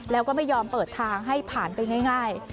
แล้วก็ไม่ยอมเปิดทางให้ผ่านไปง่าย